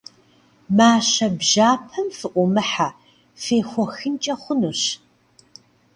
Мащэ бжьэпэм фыӏумыхьэ, фехуэхынкӏэ хъунущ.